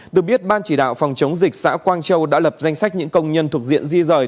được biết ban chỉ đạo phòng chống dịch xã quang châu đã lập danh sách những công nhân thuộc diện di rời